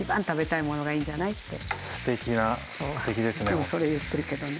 いつもそれ言ってるけどね。